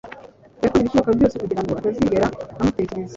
Yakoze ibishoboka byose kugirango atazigera amutekereza